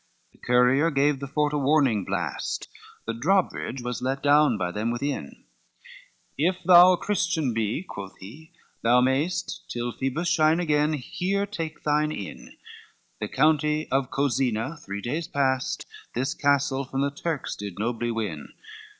XXIX The courier gave the fort a warning blast; The drawbridge was let down by them within: "If thou a Christian be," quoth he, "thou mayest Till Phoebus shine again, here take thine inn, The County of Cosenza, three days past, This castle from the Turks did nobly win."